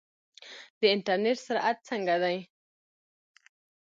د انټرنیټ سرعت څنګه دی؟